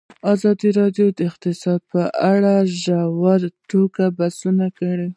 ازادي راډیو د اقتصاد په اړه په ژوره توګه بحثونه کړي.